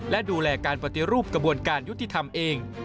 และดูแลการปฏิรูปกระบวนการยุติธรรมเอง